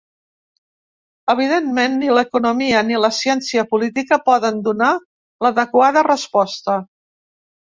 Evidentment ni l’economia ni la ciència política poden donar l’adequada resposta.